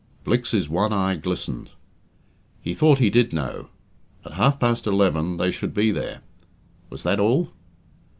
Blicks's one eye glistened. He thought he did know. At half past eleven they should be there. Was that all?